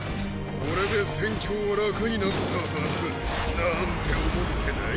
これで戦況は楽になったはずなんて思ってない？